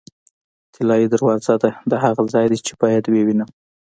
طلایي دروازه ده، دا هغه ځای دی چې باید یې ووینم.